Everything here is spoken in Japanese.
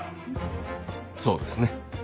そうですね。